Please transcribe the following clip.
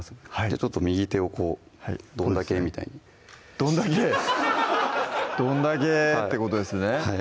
ちょっと右手をこう「どんだけ」みたいに「どんだけ」「どんだけ」ってことですねはい